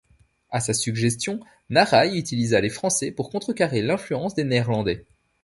À sa suggestion, Narai utilisa les Français pour contrecarrer l'influence des Néerlandais.